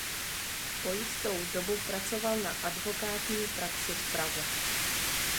Po jistou dobu pracoval na advokátní praxi v Praze.